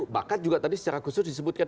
bahkan juga tadi secara khusus disebutkan